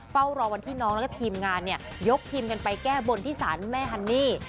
เฝ้ารอวันที่น้องและทีมงานยกทีมไปแก้บนที่สารแม่ฮันนี่